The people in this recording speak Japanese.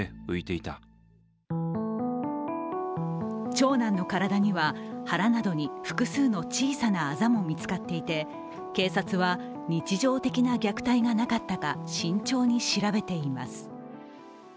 長男の体には腹などに複数の小さなあざも見つかっていて、警察は日常的な虐待がなかったか慎重に調べています。